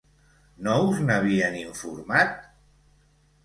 No us n’havien informat?